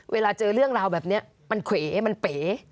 เวลาเจอเรื่องราวแบบนี้มันเขวมันเป๋